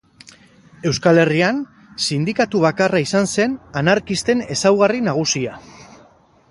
Euskal Herrian, Sindikatu Bakarra izan zen anarkisten ezaugarri nagusia.